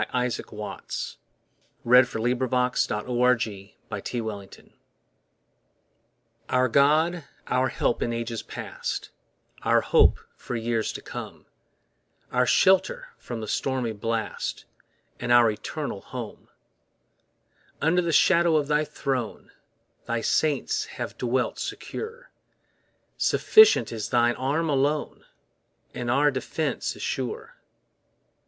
Isaac Watts Man Frail and God Eternal OOR God, our help in ages past, Our hope for years to come, Our shelter from the stormy blast, And our eternal home. Under the shadow of thy throne, Thy saints have dwelt secure; Sufficient is thine arm alone, And our defence is sure.